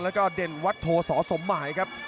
แล้วก็เด่นวัดโทสอสมหมายครับ